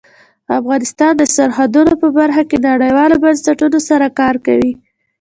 افغانستان د سرحدونه په برخه کې نړیوالو بنسټونو سره کار کوي.